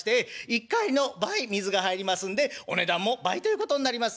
一荷入りの倍水が入りますんでお値段も倍ということになります」。